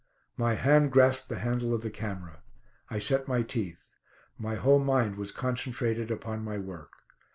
My hand grasped the handle of the camera. I set my teeth. My whole mind was concentrated upon my work.